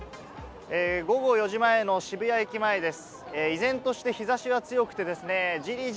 午後４時前の渋谷駅前です。